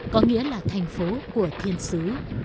có nghĩa là thành phố của thiên sứ